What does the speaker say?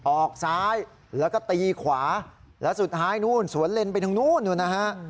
ออกซ้ายแล้วก็ตีขวาแล้วสุดท้ายนู่นสวนเลนไปทางนู้นนู่นนะฮะ